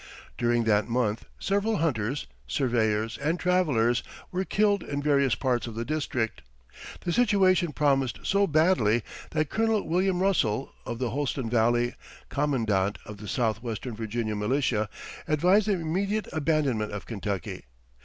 During that month several hunters, surveyors, and travelers were killed in various parts of the district. The situation promised so badly that Colonel William Russell, of the Holston Valley, commandant of the southwestern Virginia militia, advised the immediate abandonment of Kentucky.